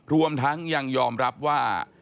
รวมทั้งยังยอมรับว่า